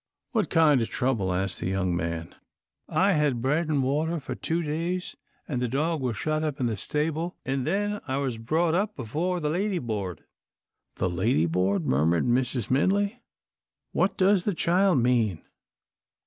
"What kind of trouble?" asked the young man. "I had bread an' water for two days, an' the dog was shut up in the stable, an' then I was brought up before the lady board." "The lady board," murmured Mrs. Minley; "what does the child mean?"